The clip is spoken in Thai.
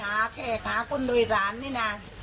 เวลามันทะเลาะกันหาแขกหาคนโดยสารเนี่ยนะ